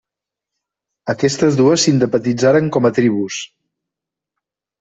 Aquestes dues s'independitzaren com a tribus.